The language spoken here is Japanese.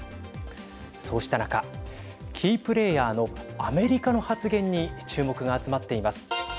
そうした中キープレーヤーのアメリカの発言に注目が集まっています。